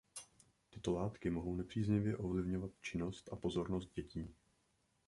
Tyto látky mohou nepříznivě ovlivňovat činnost a pozornost dětí.